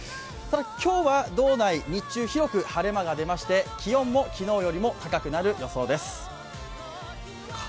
今日は道内、日中広く晴れ間が出まして気温も高くなる見込みです。